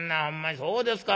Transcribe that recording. そうですか。